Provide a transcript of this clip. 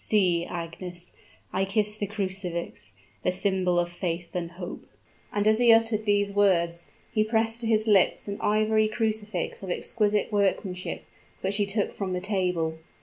See! Agnes I kiss the crucifix the symbol of faith and hope!" And, as he uttered these words, he pressed to his lips an ivory crucifix of exquisite workmanship, which he took from the table.